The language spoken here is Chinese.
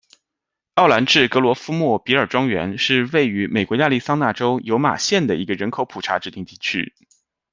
奥兰治格罗夫莫比尔庄园是位于美国亚利桑那州尤马县的一个人口普查指定地区。